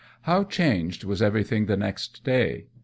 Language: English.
How changed was everything the very next day!